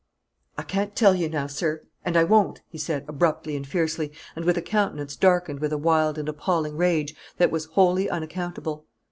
"I can't tell you now, sir, and I won't," he said, abruptly and fiercely, and with a countenance darkened with a wild and appalling rage that was wholly unaccountable.